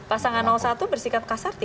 pasangan satu bersikap kasar